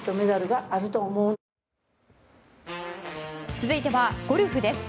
続いてはゴルフです。